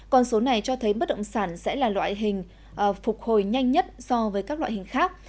con số này cho thấy bất động sản sẽ là loại hình phục hồi nhanh nhất so với các loại hình khác